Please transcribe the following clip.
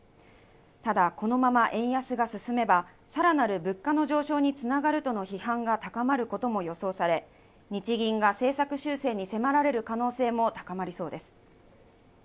ただ、このまま円安が進めば、更なる物価の上昇に繋がるとの批判が高まることも予想され、日銀が政策修正に迫られる可能性も高まりそうです。